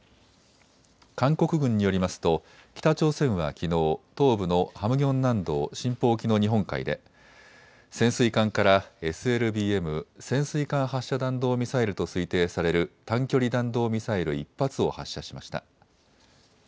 韓国軍によりますと北朝鮮はきのう、東部のハムギョン南道シンポ沖の日本海で潜水艦からＳＬＢＭ・潜水艦発射弾道ミサイルと推定される短距離弾道ミサイル１発を発射しました。